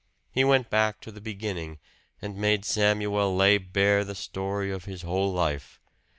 He went back to the beginning, and made Samuel lay bare the story of his whole life.